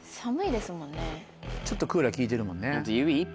ちょっとクーラー効いてるもんね。